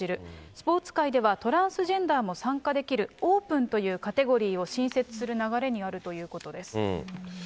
スポーツ界ではトランスジェンダーも参加できるオープンというカテゴリーを新設する流れにあるということです。